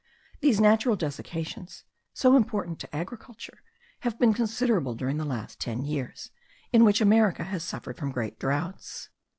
These natural desiccations, so important to agriculture, have been considerable during the last ten years, in which America has suffered from great droughts.